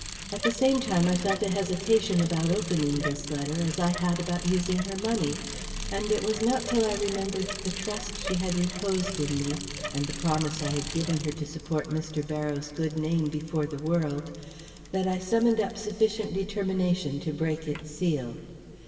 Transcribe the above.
At the same time I felt a hesitation about opening this letter, as I had about using her money; and it was not till I remembered the trust she had reposed in me, and the promise I had given her to support Mr. Barrows' good name before the world, that I summoned up sufficient determination to break its seal.